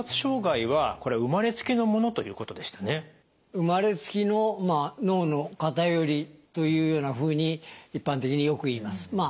生まれつきの脳の偏りというようなふうに一般的によく言います。